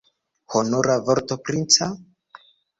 Honora vorto princa?